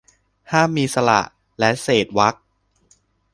ห้ามมีสระและเศษวรรค